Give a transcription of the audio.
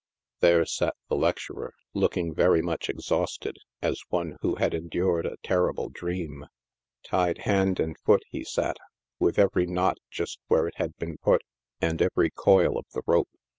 There sat the lecturer, looking very much exhausted, as one who had endured a terrible dream. Tied hand and foot he sat, with every knot just where it had been put, and every coil of the rope.